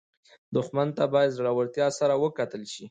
دښمن ته باید زړورتیا سره وکتل شي